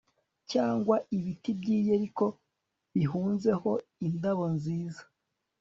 cyangwa ibiti by'i yeriko bihunzeho indabo nziza